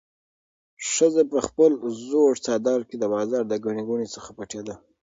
ښځه په خپل زوړ څادر کې د بازار د ګڼې ګوڼې څخه پټېده.